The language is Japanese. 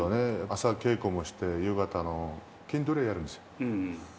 朝稽古もして、夕方の筋トレやるんですよ。